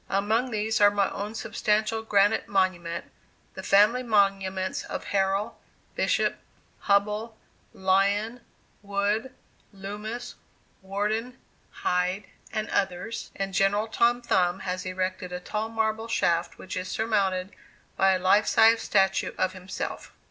Among these are my own substantial granite monument, the family monuments of Harral, Bishop, Hubbell, Lyon, Wood, Loomis, Wordin, Hyde, and others, and General Tom Thumb has erected a tall marble shaft which is surmounted by a life size statue of himself.